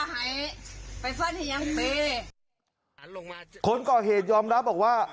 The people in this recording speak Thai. ก็ไปฟันอย่างเปล่าลงมาคนก็เห็นยอมรับบอกว่า